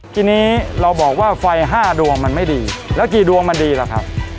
ทีนี้เราบอกว่าไฟ๕ดวงมันไม่ดีแล้วกี่ดวงมันดีล่ะครับ